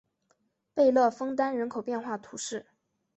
贝勒枫丹人口变化图示